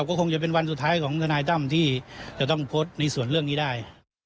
ก็คงจะเป็นวันสุดท้ายของทนายตั้มที่จะต้องโพสต์ในส่วนเรื่องนี้ได้